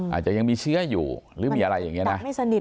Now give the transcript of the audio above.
อาจจะยังมีเชื้ออยู่หรือมีอะไรอย่างนี้นะ